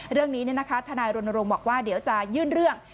เรื่องนี้นะคะทนายรณรงค์บอกว่าเดี๋ยวจะยื่นเรื่อง